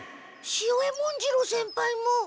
潮江文次郎先輩も。